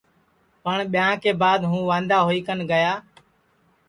پٹؔ ٻیاں کے بعد ہوں واندا ہوئی